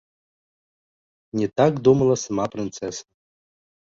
Не так думала сама прынцэса.